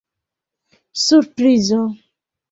Surprizo.